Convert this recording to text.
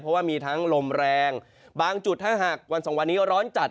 เพราะว่ามีทั้งลมแรงบางจุดถ้าหากวันสองวันนี้ร้อนจัด